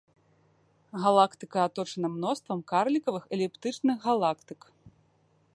Галактыка аточана мноствам карлікавых эліптычных галактык.